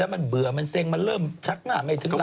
มันเบื่อมันเซ็งมันเริ่มชักหน้าไม่ถึงแล้ว